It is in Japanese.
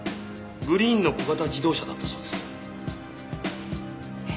グリーンの小型自動車だったそうです。え？